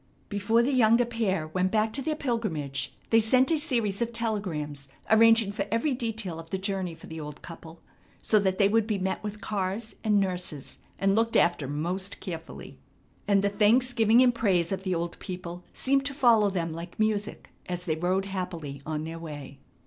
Before the younger pair went back to their pilgrimage they sent a series of telegrams arranging for every detail of the journey for the old couple, so that they would be met with cars and nurses and looked after most carefully. And the thanksgiving and praise of the old people seemed to follow them like music as they rode happily on their way.